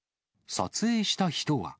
撮影した人は。